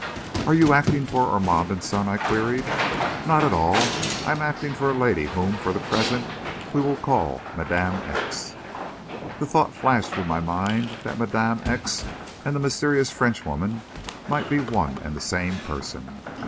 "Are you acting for Armand & Son?" I queried. "Not at all. I am acting for a lady whom, for the present, we will call Madame X." The thought flashed through my mind that Madame X. and the mysterious Frenchwoman might be one and the same person.